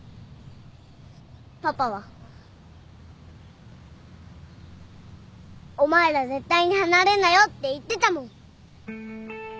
パパは「お前ら絶対に離れんなよ」って言ってたもん。